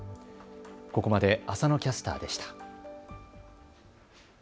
ここまで浅野キャスターでした。